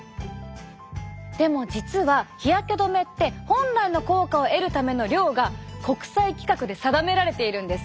でも実は日焼け止めって本来の効果を得るための量が国際規格で定められているんです。